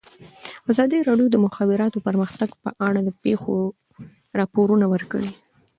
ازادي راډیو د د مخابراتو پرمختګ په اړه د پېښو رپوټونه ورکړي.